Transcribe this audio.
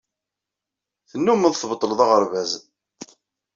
Tennummeḍ tbeṭṭleḍ aɣerbaz.